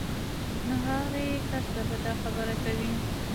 نو هغې کس ته به دا خبره کوئ